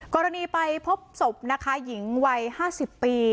กรณีไปพบศพนะคะหญิงวัยห้าสิบปี